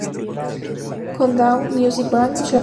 Countdown, Music Bank, Show!